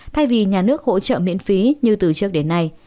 thay vì nhà nước hỗ trợ miễn phí như từ trước đến nay